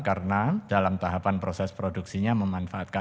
karena dalam tahapan proses produksinya memanfaatkan